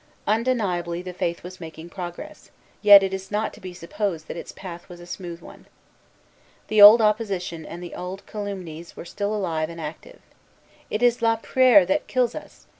Undeniably, the Faith was making progress; yet it is not to be supposed that its path was a smooth one. The old opposition and the old calumnies were still alive and active. "It is la prière that kills us.